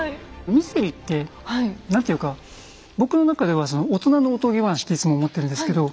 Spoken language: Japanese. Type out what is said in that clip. ミステリーって何て言うか僕の中ではオトナのおとぎ話っていつも思ってるんですけど。